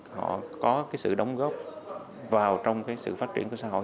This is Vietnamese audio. họ có cái sự đóng góp vào trong cái sự phát triển của xã hội